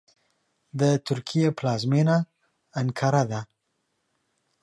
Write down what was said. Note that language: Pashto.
د ترکیې پلازمېنه انکارا ده .